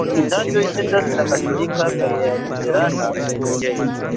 Vidindaĵoj estas la katolika kaj la luterana preĝejoj.